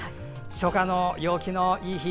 初夏の陽気のいい日